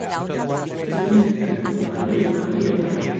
Fue sustituido en el cargo por Xavier Barral.